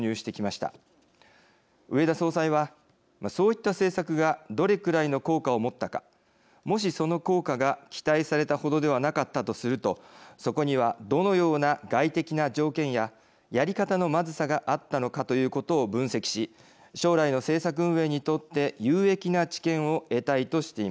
植田総裁はそういった政策がどれくらいの効果を持ったかもしその効果が期待されたほどではなかったとするとそこにはどのような外的な条件ややり方のまずさがあったのかということを分析し将来の政策運営にとって有益な知見を得たいとしています。